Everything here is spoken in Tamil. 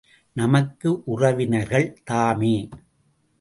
நமக்கு உறவினர்கள் தாமே!